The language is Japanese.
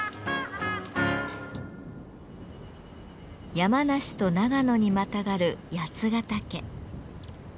山梨と長野にまたがる八ヶ岳。